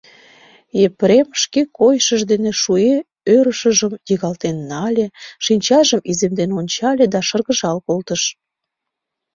Епрем шке койышыж дене шуэ ӧрышыжым йыгалтен нале, шинчажым иземден ончале да шыргыжал колтыш.